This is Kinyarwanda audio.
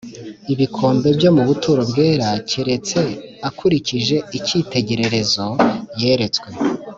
ibikombe byo mu buturo bwera keretse akurikije icyitegererezo yeretswe.